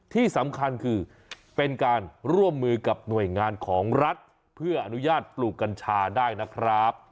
ที่สำคัญคือเป็นการร่วมมือกับหน่วยงานของรัฐเพื่ออนุญาตปลูกกัญชาได้นะครับ